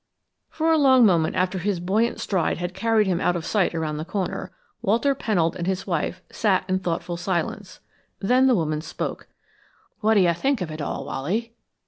For a long moment after his buoyant stride had carried him out of sight around the corner, Walter Pennold and his wife sat in thoughtful silence. Then the woman spoke. "What d'ye think of it all, Wally?"